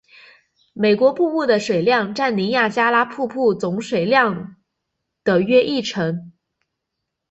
美国瀑布的水量占尼亚加拉瀑布总水量的约一成。